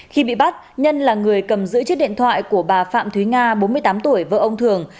khi bị bắt nhân là người cầm giữ chiếc điện thoại của bà phạm thúy nga bốn mươi tám tuổi vợ ông thường